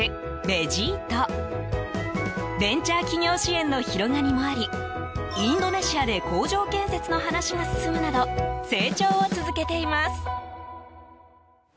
ベンチャー企業支援の広がりもありインドネシアで工場建設の話が進むなど成長を続けています。